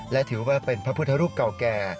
และถือว่าเป็นพระพุทธรูปเก่าแก่